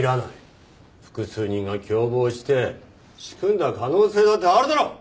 複数人が共謀して仕組んだ可能性だってあるだろう！